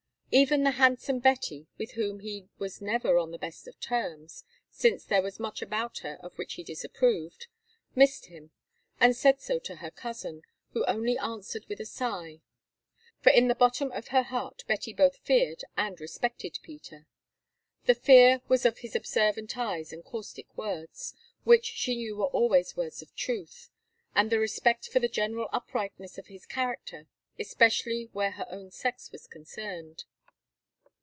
Even the handsome Betty, with whom he was never on the best of terms, since there was much about her of which he disapproved, missed him, and said so to her cousin, who only answered with a sigh. For in the bottom of her heart Betty both feared and respected Peter. The fear was of his observant eyes and caustic words, which she knew were always words of truth, and the respect for the general uprightness of his character, especially where her own sex was concerned.